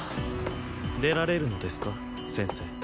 出られるのですか先生？